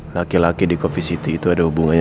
laki laki di coffee city itu ada hubungannya